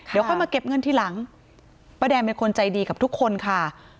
เดี๋ยวค่อยมาเก็บเงินทีหลังป้าแดงเป็นคนใจดีกับทุกคนค่ะ